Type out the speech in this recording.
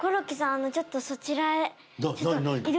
あのちょっとそちらへな何何？